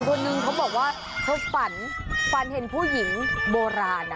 คนนึงเขาบอกว่าเขาฝันฝันเห็นผู้หญิงโบราณ